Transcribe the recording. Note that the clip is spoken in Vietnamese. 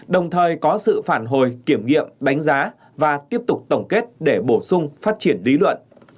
đồng thời có sự phản hồi kiểm nghiệm đánh giá và tiếp tục tổng kết để bổ sung phát triển lý luận